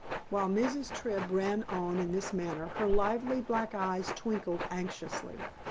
While Mrs. Tribb ran on in this manner her lively black eyes twinkled anxiously.